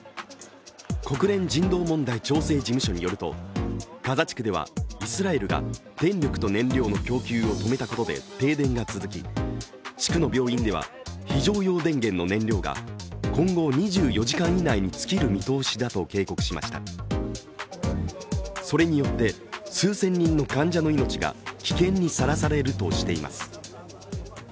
国連人道問題調整事務所によると、ガザ地区ではイスラエルが電力と燃料の供給を止めたことで停電が続き地区の病院では非常用電源の燃料が今後２４時間以内につきる見通しだと示しましたそれによって、数千人の患者の命が危険にさらされるとしています。